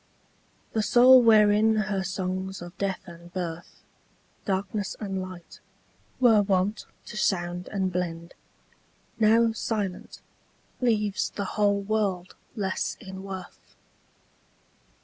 The soul wherein her songs of death and birth, Darkness and light, were wont to sound and blend, Now silent, leaves the whole world less in worth.